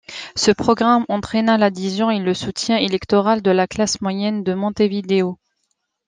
Ce programme entraîna l'adhésion et le soutien électoral de la classe moyenne de Montevideo.